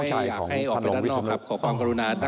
จะกลัวอีกครั้งเดี๋ยวอยากไปดูแล